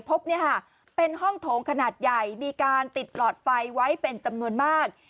พบเป็นห้องโถงขนาดใหญ่มีการติดหลอดไฟไว้เป็นจำนวนมาก